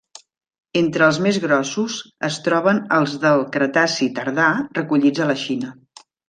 Entre els més grossos es troben els del Cretaci tardà recollits a la Xina.